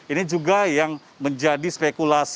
ini juga yang menjadi spekulasi